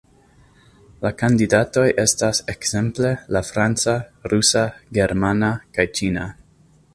La kandidatoj estas ekzemple la franca, rusa, germana kaj ĉina.